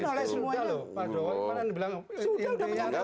sudah disampaikan oleh semuanya